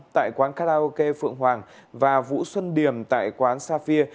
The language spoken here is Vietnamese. tại quán karaoke phượng hoàng và vũ xuân điểm tại quán safia